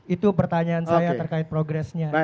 itu pertanyaan saya terkait progresnya